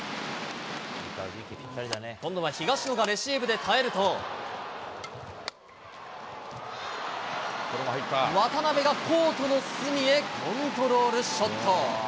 今度は東野がレシーブで耐えると、渡辺がコートの隅へコントロールショット。